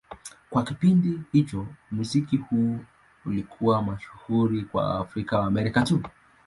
Kwa kipindi hicho, muziki huu ulikuwa mashuhuri kwa Waafrika-Waamerika tu.